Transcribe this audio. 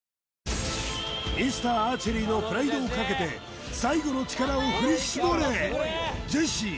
ミスターアーチェリーのプライドをかけて最後の力を振り絞れジェシー